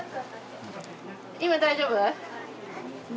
今大丈夫？